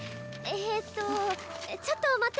えとちょっと待ってね。